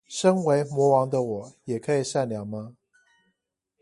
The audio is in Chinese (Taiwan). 生為魔王的我也可以善良嗎？